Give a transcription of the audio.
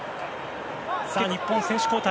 日本は選手交代。